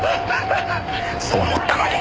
そう思ったのに。